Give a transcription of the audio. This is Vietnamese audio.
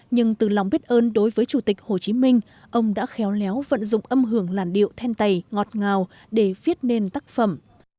nhưng từ lòng biết ơn đối với chủ tịch hồ chí minh ông đã khéo léo vận dụng âm hưởng làn điệu then tày ngọt ngào để viết nên tác phẩm